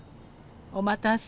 お待たせ。